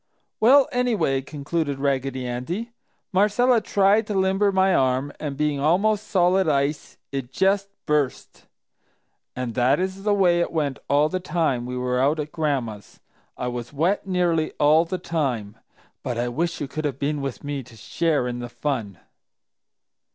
"Well, anyway," concluded Raggedy Andy, "Marcella tried to limber my arm and, being almost solid ice, it just burst. And that is the way it went all the time we were out at Gran'ma's; I was wet nearly all the time. But I wish you could all have been with me to share in the fun."